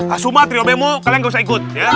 asuma triobemo kalian gak usah ikut